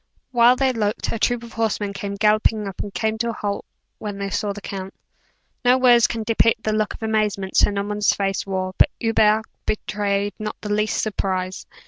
While they looked, a troop of horsemen came galloping up, and came to a halt when they saw the count. No words can depict the look of amazement Sir Norman's face wore; but Hubert betrayed not the least surprise.